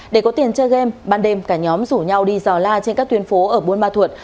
để có tiền chơi game ban đêm cả nhóm rủ nhau đi dò la trên các tuyến phố ở buôn ma thuột